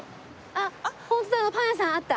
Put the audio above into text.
あっホントだパン屋さんあった。